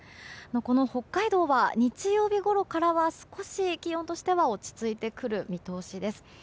この北海道は、日曜日ごろからは少し気温としては落ち着いてくる見通しです。